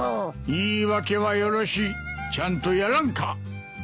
言い訳はよろしいちゃんとやらんか。